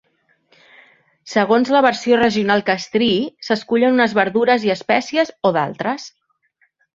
Segons la versió regional que es triï, s'escullen unes verdures i espècies o d'altres.